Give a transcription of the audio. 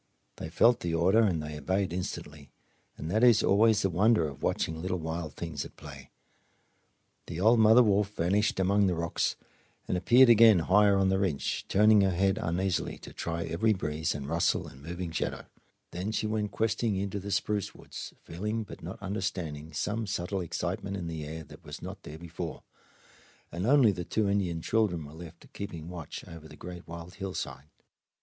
They felt the order and they obeyed instantly and that is always the wonder of watching little wild things at play. The old mother wolf vanished among the rocks and appeared again higher on the ridge, turning her head uneasily to try every breeze and rustle and moving shadow. Then she went questing into the spruce woods, feeling but not understanding some subtle excitement in the air that was not there before, and only the two Indian children were left keeping watch over the great wild hillside.